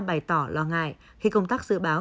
bày tỏ lo ngại khi công tác dự báo